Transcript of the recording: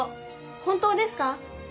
本当ですか？